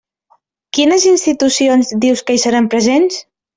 Quines institucions dius que hi seran presents?